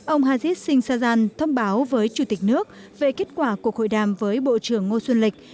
ông hazid singh sajjan thông báo với chủ tịch nước về kết quả cuộc hội đàm với bộ trưởng ngô xuân lịch